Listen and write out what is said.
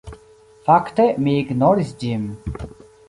Fakte mi ignoris ĝin.